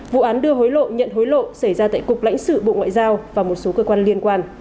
vụ án đưa hối lộ nhận hối lộ xảy ra tại cục lãnh sự bộ ngoại giao và một số cơ quan liên quan